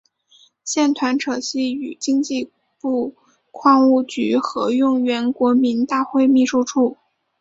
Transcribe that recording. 现团址系与经济部矿务局合用原国民大会秘书处。